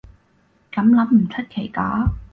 噉諗唔出奇㗎